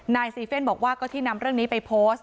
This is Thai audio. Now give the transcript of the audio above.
ซีเฟ่นบอกว่าก็ที่นำเรื่องนี้ไปโพสต์